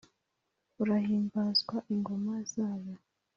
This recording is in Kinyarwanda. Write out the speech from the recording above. urahimbazwa ingoma zabo